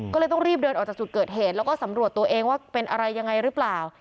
ก็เลยต้องรีบเดินออกจากจุดเกิดเหตุแล้วก็สำรวจตัวเองว่าเป็นอะไรยังไงหรือเปล่า